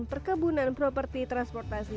perkebunan properti transportasi